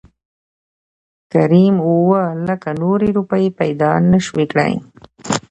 کريم اووه لکه نورې روپۍ پېدا نه شوى کړى .